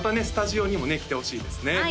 スタジオにもね来てほしいですね